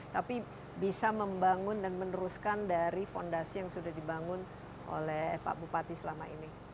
tapi bisa membangun dan meneruskan dari fondasi yang sudah dibangun oleh pak bupati selama ini